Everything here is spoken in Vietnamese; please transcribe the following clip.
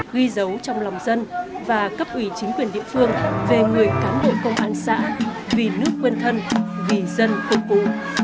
ghi dấu trong lòng dân và cấp ủy chính quyền địa phương về người cán bộ công an xã vì nước quên thân vì dân phục vụ